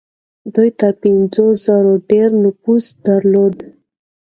دوی تر پنځو زرو ډېر نفوس درلود.